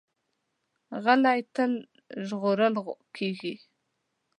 غلی، تل ژغورل کېږي.